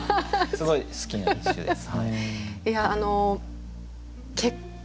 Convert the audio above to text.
すごい好きな一首です。